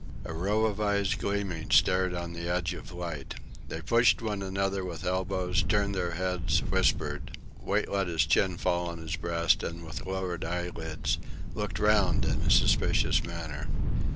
A row of eyes gleaming stared on the edge of light. They pushed one another with elbows, turned their heads, whispered. Wait let his chin fall on his breast and, with lowered eyelids, looked round in a suspicious manner.